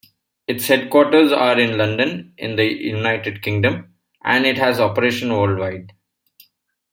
Its headquarters are in London in the United Kingdom and it has operations worldwide.